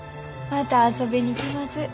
また遊びに来ます。